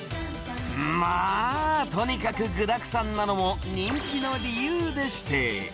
まぁとにかく具だくさんなのも人気の理由でして。